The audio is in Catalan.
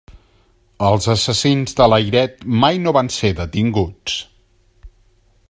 Els assassins de Layret mai no van ser detinguts.